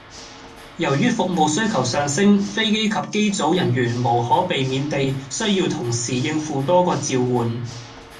由於服務需求上升，飛機及機組人員無可避免地需要同時應付多個召喚